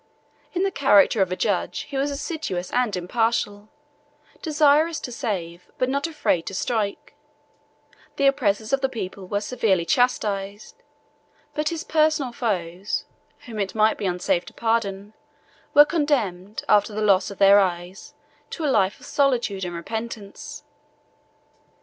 In the character of a judge he was assiduous and impartial; desirous to save, but not afraid to strike: the oppressors of the people were severely chastised; but his personal foes, whom it might be unsafe to pardon, were condemned, after the loss of their eyes, to a life of solitude and repentance.